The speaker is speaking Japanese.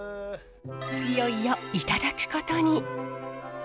いよいよいただくことに。